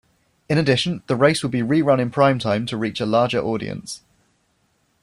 In addition, the race would be rerun in primetime to reach a larger audience.